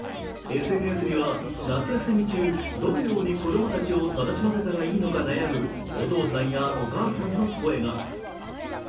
ＳＮＳには、夏休み中、どのように子供たちを楽しませたらいいのか悩むお父さんやお母さんの声が。